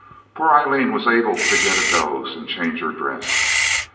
Poor Aileen was able to get a doze and change her dress.